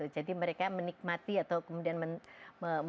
jadi mereka menikmati atau kemudian membuat semacam film